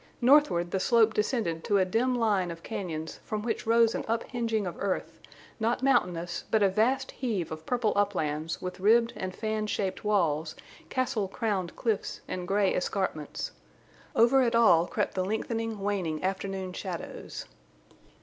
Northward the slope descended to a dim line of cañons from which rose an up flinging of the earth, not mountainous, but a vast heave of purple uplands, with ribbed and fan shaped walls, castle crowned cliffs, and gray escarpments. Over it all crept the lengthening, waning afternoon shadows.